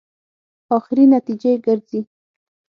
اخري نتیجې ګرځي.